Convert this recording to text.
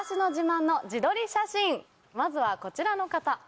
まずはこちらの方。